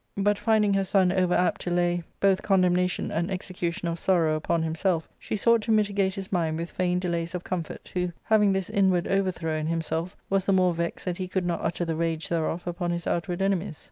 But, finding her son over apt to lay both condemna tion and execution of sorrow upon himself, she sought to mitigate his mind with feigned delays of comfort, who, having this inward overthrow in himself, was the more vexed that he could not utter the rage thereof upon his outward enemies.